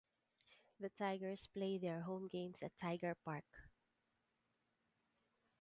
The Tigers play their home games at Tiger Park.